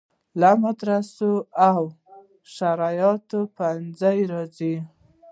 له مدرسو او شرعیاتو پوهنځیو راځي.